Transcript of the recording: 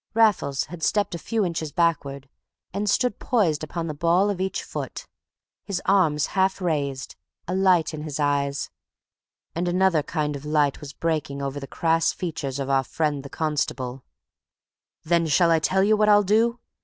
Raffles had stepped a few inches backward, and stood poised upon the ball of each foot, his arms half raised, a light in his eyes. And another kind of light was breaking over the crass features of our friend the constable. "Then shall I tell you what I'll do?"